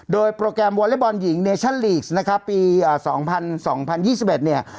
โดยโปรแกรมวอเล็ตบอลหญิงเนชั่นลีกซ์นะครับปีอ่าสองพันสองพันยี่สิบเอ็ดเนี่ย